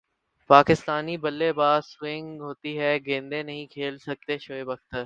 پاکستانی بلے باز سوئنگ ہوتی گیندیں نہیں کھیل سکتے شعیب اختر